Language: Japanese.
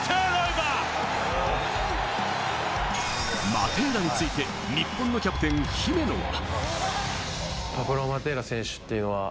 マテーラについて、日本のキャプテン・姫野は。